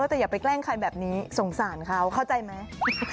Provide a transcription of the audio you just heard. แต่อย่าไปแกล้งใครแบบนี้สงสารเขาเข้าใจไหม